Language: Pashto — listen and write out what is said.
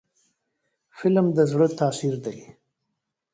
فلم د زړه تاثیر دی